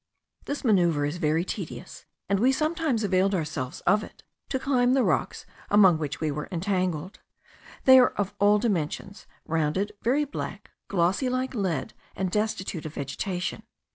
This manoeuvre is very tedious; and we sometimes availed ourselves of it, to climb the rocks among which we were entangled. They are of all dimensions, rounded, very black, glossy like lead, and destitute of vegetation.